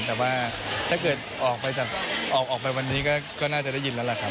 แต่ว่าถ้าเกิดออกไปวันนี้ก็น่าจะได้ยินแล้วแหละครับ